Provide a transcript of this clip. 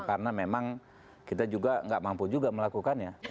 karena memang kita juga nggak mampu juga melakukannya